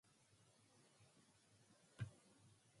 Some courses are offered online.